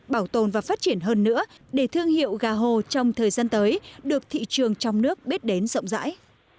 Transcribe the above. bảo tồn và phát triển hơn nữa để thương hiệu gà hồ trong thời gian tới được thị trường trong nước biết đến rộng rãi